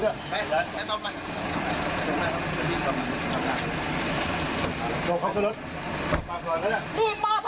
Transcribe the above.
พี่แม่งตายตกผู้ชายกันล่ะ